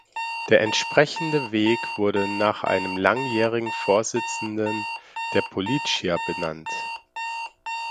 Der entsprechende Weg wurde nach einem langjährigen Vorsitzendem der Pollichia benannt.